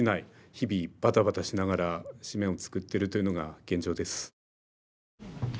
日々バタバタしながら紙面を作ってるというのが現状です。